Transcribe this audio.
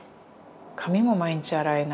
髪も毎日洗えない。